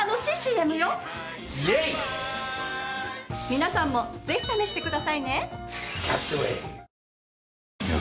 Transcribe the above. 皆さんもぜひ試してくださいね。